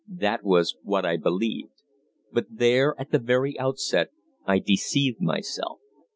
That was what I believed; but there, at the very outset, I deceived myself.